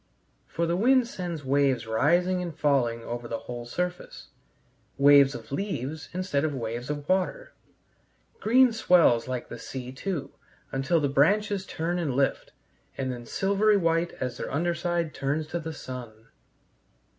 For the wind sends waves rising and falling over the whole surface, waves of leaves instead of waves of water, green swells like the sea, too, until the branches turn and lift, and then silvery white as their under side turns to the sun.